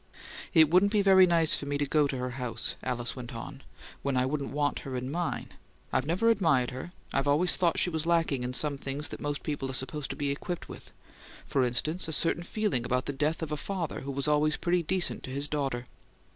"It wouldn't be very nice for me to go to her house," Alice went on, "when I wouldn't want her in mine. I've never admired her. I've always thought she was lacking in some things most people are supposed to be equipped with for instance, a certain feeling about the death of a father who was always pretty decent to his daughter.